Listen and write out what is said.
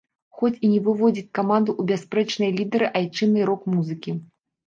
Хоць і не выводзіць каманду ў бясспрэчныя лідары айчыннай рок-музыкі.